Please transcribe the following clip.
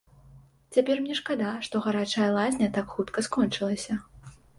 Цяпер мне шкада, што гарачая лазня так хутка скончылася.